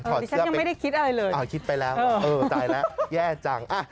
ถอดเสื้อไปอ่ะคิดไปแล้วเออจายแล้วแย่จังอ่ะ